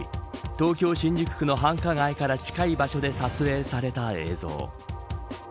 東京、新宿区の繁華街から近い場所で撮影された映像。